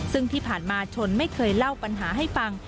ซึ่งที่ผ่านมาชนไม่เคยเล่าปัญหาให้ฟัง